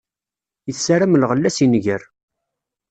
Issaram lɣella si nnger.